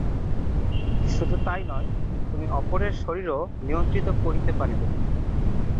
শুধু তাই নয়, তুমি অপরের শরীরও নিয়ন্ত্রিত করিতে পারিবে।